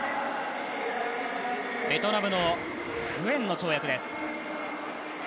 ベトナムのグエンの跳躍です。